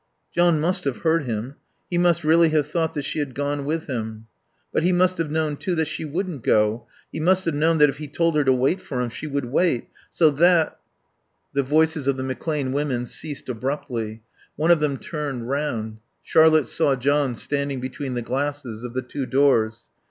John must have heard him. He must really have thought that she had gone with him. But he must have known, too, that she wouldn't go. He must have known that if he told her to wait for him she would wait. So that The voices of the McClane women ceased abruptly. One of them turned round. Charlotte saw John standing between the glasses of the two doors.